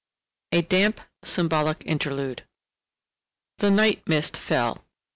A DAMP SYMBOLIC INTERLUDE The night mist fell.